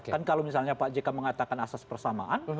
kan kalau misalnya pak jk mengatakan asas persamaan